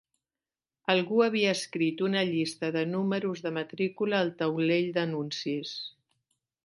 Algú havia escrit una llista de números de matrícula al taulell d'anuncis.